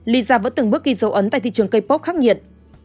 lisa vẫn từng bước ghi dấu ấn tại thị trường kpop khắc nhiệt